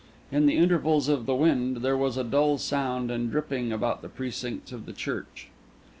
In the intervals of the wind, there was a dull sound of dripping about the precincts of the church.